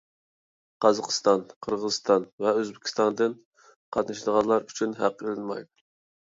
قازاقىستان، قىرغىزىستان ۋە ئۆزبېكىستاندىن قاتنىشىدىغانلار ئۈچۈن ھەق ئېلىنمايدۇ.